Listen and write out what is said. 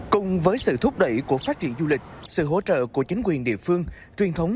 cùng với sự thúc đẩy của phát triển du lịch sự hỗ trợ của chính quyền địa phương truyền thống